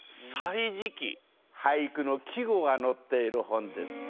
俳句の季語がのっている本です。